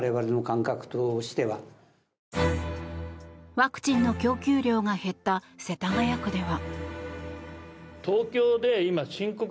ワクチンの供給量が減った世田谷区では。